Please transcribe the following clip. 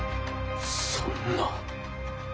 そんな。